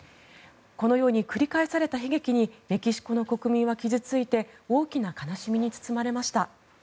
このように繰り返された悲劇にメキシコの国民は傷付いて大きな悲しみに包まれました。